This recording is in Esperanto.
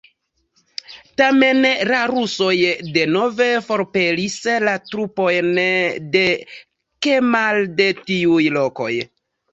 Tamen, la rusoj denove forpelis la trupojn de Kemal de tiuj lokoj.